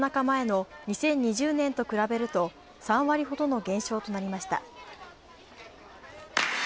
前の２０２０年と比べると３割ほどの減少となりました。